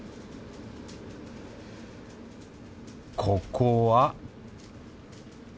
ここは。